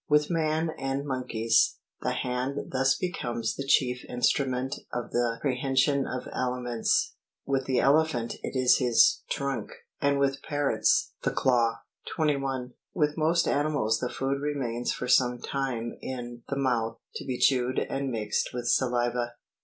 With man and monkeys, the hand thus becomes the chief instru ment of the prehension of aliments ; with the elephant it is his trunk, and with parrots the claw. 21. With most animals the food remains for some time in the mouth, to be chewed and mixed with saliva.